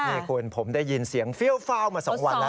นี่คุณผมได้ยินเสียงเฟี้ยวมา๒วันแล้ว